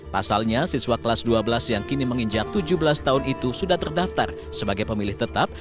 pasalnya siswa kelas dua belas yang kini menginjak tujuh belas tahun itu sudah terdaftar sebagai pemilih tetap